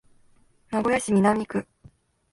名古屋市南区